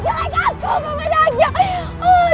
jelek aku bapak nagya